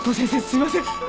すいません。